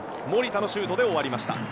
守田のシュートで終わりました。